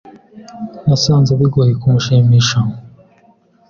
Nasanze bigoye kumushimisha.